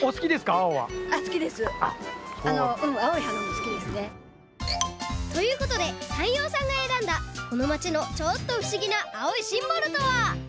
青は。ということで山陽さんがえらんだこのまちのちょっとふしぎな青いシンボルとは？